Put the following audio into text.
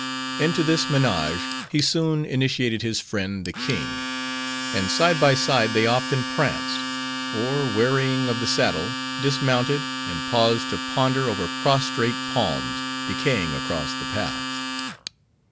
Into this menage, he soon initiated his friend, the king; and side by side they often pranced; or, wearying of the saddle, dismounted; and paused to ponder over prostrate palms, decaying across the path.